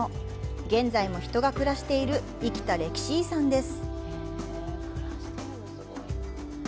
現在も人が暮らしている、生きた歴史遺産です。